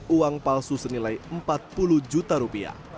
uang palsu senilai empat puluh juta rupiah